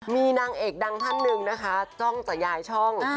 มีนางเอกดังท่านหนึ่งนะคะจ้องจะย้ายช่อง